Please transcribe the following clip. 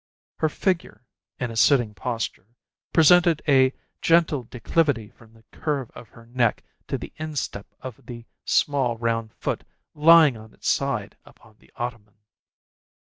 Her figure, in a sitting posture, presented a gentle declivity from the curve of her neck to the instep of the small round foot lying on its side upon the ottoman.